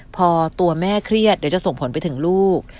พอตัวแม่เครียดเดี๋ยวจะส่งผลไปถึงลูก